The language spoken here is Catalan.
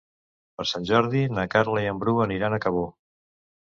Per Sant Jordi na Carla i en Bru aniran a Cabó.